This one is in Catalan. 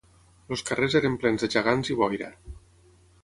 Els carrers eren plens de gegants i boira